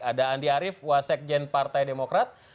ada andi arief wasekjen partai demokrat